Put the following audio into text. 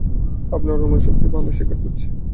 আপনার অনুমানশক্তি ভালো, স্বীকার করছি।